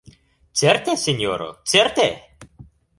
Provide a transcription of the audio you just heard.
Certe, sinjoro, certe!